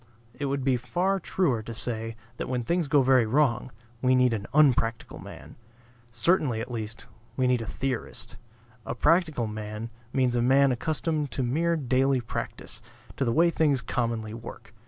It would be far truer to say, that when things go very wrong we need an unpractical man. Certainly, at least, we need a theorist. A practical man means a man accustomed to mere daily practice, to the way things commonly work.